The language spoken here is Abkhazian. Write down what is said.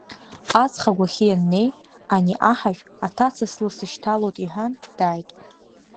Аҵх агәахьы ианнеи, ани аҳажә аҭаца слыцышьҭалот иҳәан, дааит.